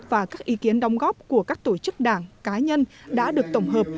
và các ý kiến đóng góp của các tổ chức đảng cá nhân đã được tổng hợp